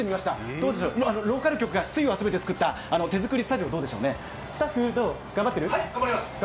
どうでしょうローカル局が粋を集めて作ったスタジオです、頑張ります。